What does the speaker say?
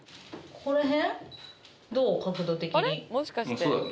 ここら辺？